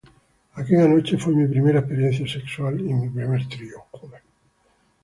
Aquella noche fue mi primera experiencia sexual y mi primer trío.